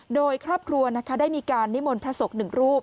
โดยครอบครัวนะคะได้มีการนิมนต์พระศก๑รูป